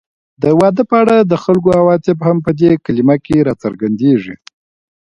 د واده په اړه د خلکو عواطف هم په دې کلمه کې راڅرګندېږي